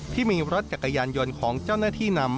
ที่มีรถจักรยานยนต์ของเจ้าหน้าที่นำ